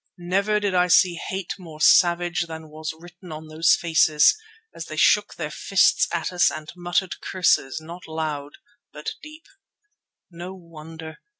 Never did I see hate more savage than was written on those faces as they shook their fists at us and muttered curses not loud but deep. No wonder!